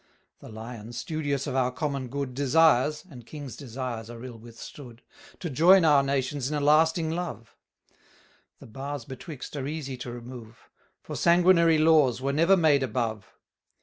The Lion, studious of our common good, Desires (and kings' desires are ill withstood) To join our nations in a lasting love; The bars betwixt are easy to remove; For sanguinary laws were never made above.